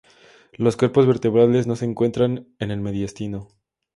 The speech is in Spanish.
Los cuerpos vertebrales no se encuentran en el mediastino.